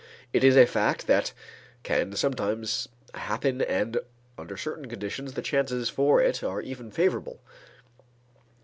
It is a fact that that can sometimes happen and under certain conditions the chances for it are even favorable.